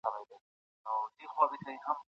ایا واړه پلورونکي وچه الوچه اخلي؟